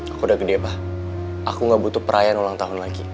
aku udah gede apa aku gak butuh perayaan ulang tahun lagi